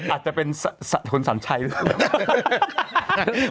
อาจจะเป็นคุณสัญชัยหรือเปล่า